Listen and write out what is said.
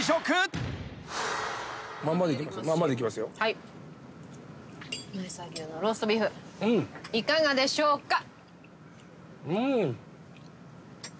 いかがでしょうか？